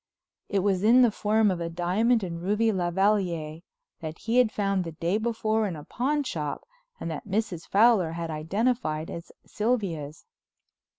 It was in the form of a diamond and ruby lavalliere that he had found the day before in a pawn shop and that Mrs. Fowler had identified as Sylvia's.